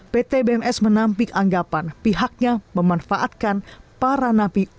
pt bms menampik anggapan pihaknya memanfaatkan para napi